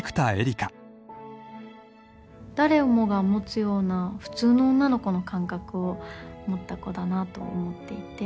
誰もが持つような普通の女の子の感覚を持った子だなと思っていて。